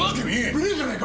無礼じゃないか！